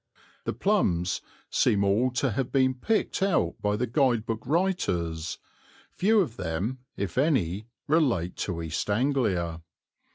The plums seem all to have been picked out by guide book writers; few of them, if any, relate to East Anglia.